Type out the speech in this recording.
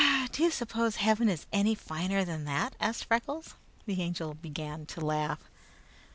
"Do you suppose Heaven is any finer than that?" asked Freckles. The Angel began to laugh.